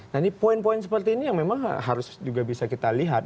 nah ini poin poin seperti ini yang memang harus juga bisa kita lihat